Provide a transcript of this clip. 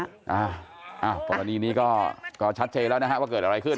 อ้าวกรณีนี้ก็ชัดเจนแล้วนะฮะว่าเกิดอะไรขึ้น